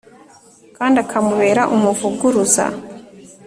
kandi akamubera umuvuguruza